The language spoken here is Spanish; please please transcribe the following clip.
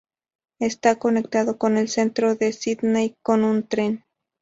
Está conectado con el Centro de Sídney con un tren.